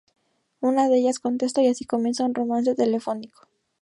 Una de ellas contesta y así comienza un romance telefónico.